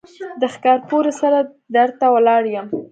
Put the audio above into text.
د ښکارپورۍ سره در ته ولاړ يم.